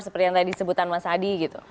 seperti yang tadi disebutan mas hadi gitu